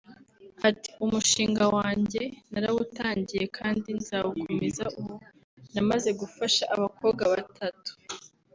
Ati “Umushinga wanjye narawutangiye kandi nzawukomeza ubu namaze gufasha abakobwa batatu